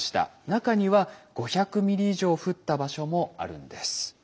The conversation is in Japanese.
中には５００ｍｍ以上降った場所もあるんです。